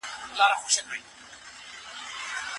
رسوا کيږي.